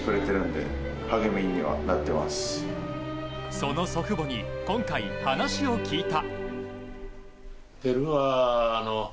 その祖父母に今回、話を聞いた。